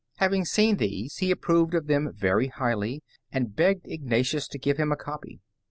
Having seen these he approved of them very highly, and begged Ignatius to give him a copy.